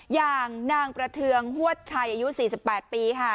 อย่างนางประเทืองหัวใจอายุสี่สิบแปดปีค่ะ